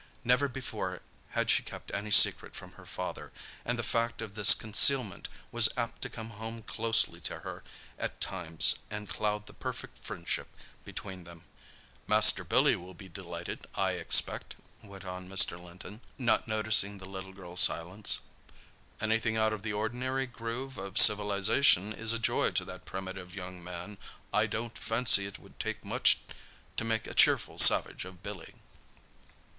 Never before had she kept any secret from her father, and the fact of this concealment was apt to come home closely to her at times and cloud the perfect friendship between them. "Master Billy will be delighted, I expect," went on Mr. Linton, not noticing the little girl's silence. "Anything out of the ordinary groove of civilisation is a joy to that primitive young man. I don't fancy it would take much to make a cheerful savage of Billy."